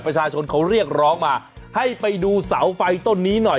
ประชาชนเขาเรียกร้องมาให้ไปดูเสาไฟต้นนี้หน่อย